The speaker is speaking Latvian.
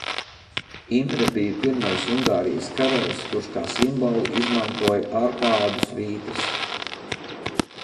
"Imre bija pirmais Ungārijas karalis, kurš kā simbolu izmantoja "Ārpādu svītras"."